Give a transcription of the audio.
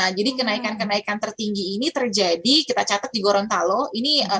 nah jadi kenaikan kenaikan tertinggi ini terjadi kita catat di gorontalo ini tapi highlightnya adalah perbedaan